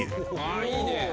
ああいいねえ！